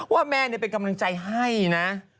ว่าแม่เป็นกำลังใจให้นะ